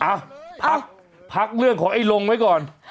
อ่ะพักพักเรื่องของไอ้ลงไว้ก่อน